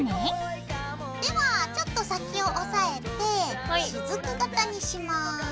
ではちょっと先を押さえてしずく型にします。